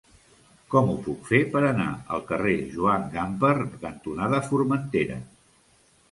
Com ho puc fer per anar al carrer Joan Gamper cantonada Formentera?